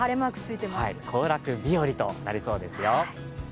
行楽日和となりそうですよ。